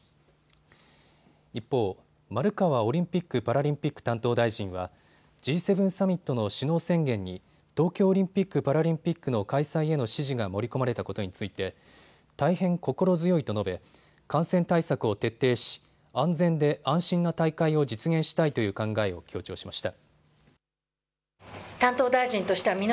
一方、丸川オリンピック・パラリンピック担当大臣はＧ７サミットの首脳宣言に東京オリンピック・パラリンピックの開催への支持が盛り込まれたことについて大変心強いと述べ、感染対策を徹底し安全で安心な大会を実現したいという考えを強調しました。